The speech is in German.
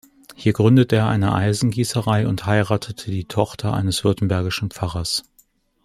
Hier gründete er eine Eisengießerei und heiratete die Tochter eines württembergischen Pfarrers.